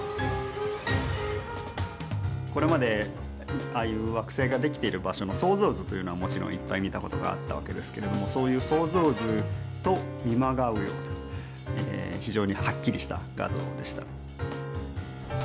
これまでああいう惑星が出来ている場所の想像図というのはもちろんいっぱい見たことがあったわけですけれどもそういう想像図と見まがうような非常にはっきりした画像でした。